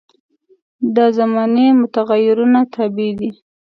دا زماني متغیرونو تابع دي.